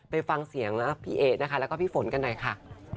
ไปฟังเสียงพี่เอ๊นะคะแล้วก็พี่ฝนกันหน่อยค่ะ